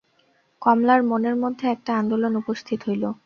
কমলার মনের মধ্যে একটা আন্দোলন উপস্থিত হইল।